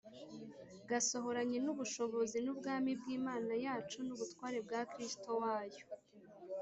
gasohoranye n’ubushobozi n’ubwami bw’Imana yacu n’ubutware bwa Kristo wayo,